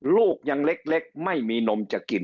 ลูกยังเล็กไม่มีนมจะกิน